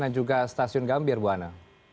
dan juga stasiun gambir bu anne